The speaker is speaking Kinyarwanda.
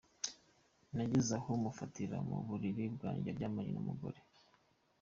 Nageze naho mufatira mu buriri bwanjye aryamanye n’umugore.